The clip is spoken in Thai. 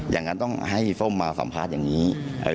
อย่างนั้นต้องให้ส้มมาสัมภาษณ์อย่างนี้